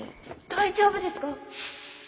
大丈夫ですか？